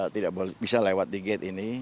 tidak bisa lewat di gate ini